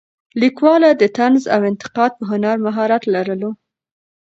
لیکواله د طنز او انتقاد په هنر مهارت لرلو.